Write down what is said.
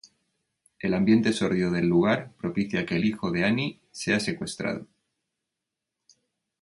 El ambiente sórdido del lugar propicia que el hijo de Annie sea secuestrado.